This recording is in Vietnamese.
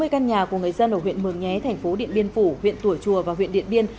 sáu mươi căn nhà của người dân ở huyện mường nhé thành phố điện biên phủ huyện tùa chùa và huyện điện biên